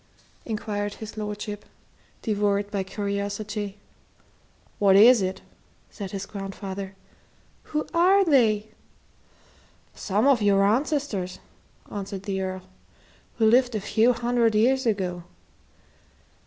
inquired his lordship, devoured by curiosity. "What is it?" said his grandfather. "Who are they?" "Some of your ancestors," answered the Earl, "who lived a few hundred years ago."